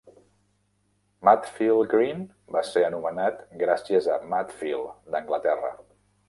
Matfield Green va ser anomenat gràcies a Matfield, d'Anglaterra.